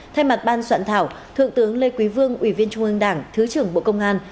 thay mặt ban soạn thảo thượng tướng lê quý vương ủy viên trung ương đảng thứ trưởng bộ công an